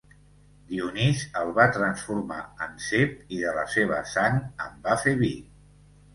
Dionís el va transformar en cep i de la seva sang en va fer vi.